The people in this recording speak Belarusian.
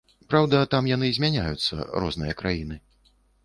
Праўда, там яны змяняюцца, розныя краіны.